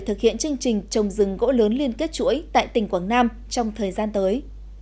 thực hiện chương trình trồng rừng gỗ lớn liên kết chuỗi tại tỉnh quảng nam trong thời gian tới